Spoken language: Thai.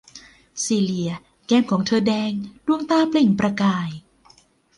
ซีเลีย แก้มของเธอแดง ดวงตาเปล่งประกาย